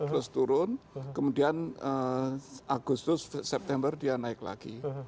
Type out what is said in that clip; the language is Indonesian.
terus turun kemudian agustus september dia naik lagi